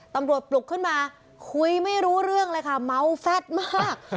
ปลุกขึ้นมาคุยไม่รู้เรื่องเลยค่ะเมาแฟดมาก